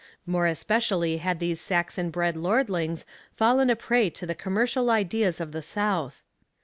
More especially had these Saxon bred lordlings fallen a prey to the commercial ideas of the south.